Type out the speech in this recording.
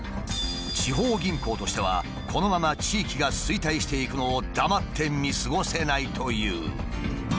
地方銀行としてはこのまま地域が衰退していくのを黙って見過ごせないという。